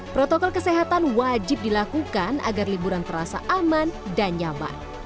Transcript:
protokol kesehatan wajib dilakukan agar liburan terasa aman dan nyaman